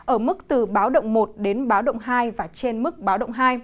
ở mức từ báo động một đến báo động hai và trên mức báo động hai